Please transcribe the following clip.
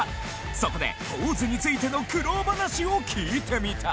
そこでポーズについての苦労話を聞いてみた！